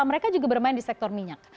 mereka juga bermain di sektor minyak